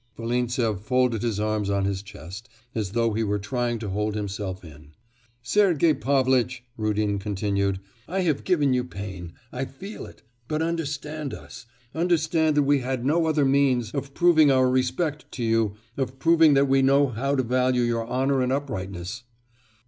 Volintsev folded his arms on his chest, as though he were trying to hold himself in. 'Sergei Pavlitch!' Rudin continued, 'I have given you pain, I feel it but understand us understand that we had no other means of proving our respect to you, of proving that we know how to value your honour and uprightness.